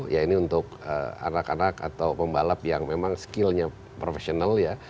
ya ini untuk anak anak atau pembalap yang memang skillnya profesional ya